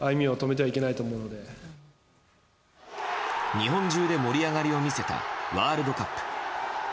日本中で盛り上がりを見せたワールドカップ。